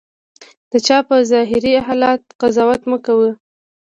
د چا په ظاهري حالت قضاوت مه کوه.